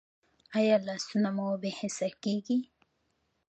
ایا لاسونه مو بې حسه کیږي؟